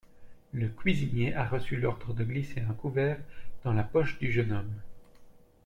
Le cuisinier a reçu l'ordre de glisser un couvert dans la poche du jeune homme.